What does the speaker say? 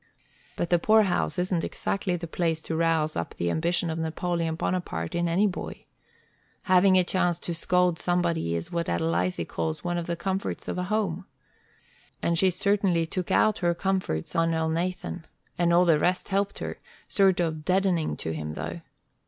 But the poorhouse isn't exactly the place to rouse up the ambition of Napoleon Bonaparte in any boy. Having a chance to scold somebody is what Adelizy calls one of the comforts of a home. And she certainly took out her comforts on Elnathan, and all the rest helped her sort of deadening to him, though.